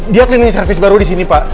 dia klinis service baru di sini pak